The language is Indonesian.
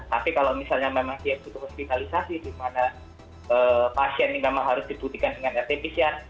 tapi kalau misalnya memang dia butuh hospitalisasi di mana pasien ini memang harus dibuktikan dengan efisien